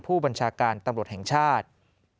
ผู้บัญชาการตำรวจแห่งชาติ